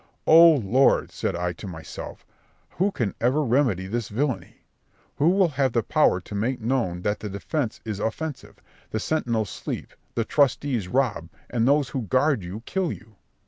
O Lord! said I to myself, who can ever remedy this villany? Who will have the power to make known that the defence is offensive, the sentinels sleep, the trustees rob, and those who guard you kill you?